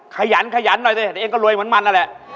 ขยันหน่อยด้วยเดี๋ยวเอ็งก็รวยเหมือนมันนั่นแหละ